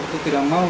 dia tidak mau